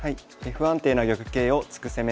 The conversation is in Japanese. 「不安定な玉形を突く攻め」です。